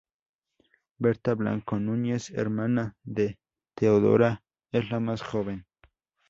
Bertha Blanco Núñez, hermana de Teodora, es la más joven.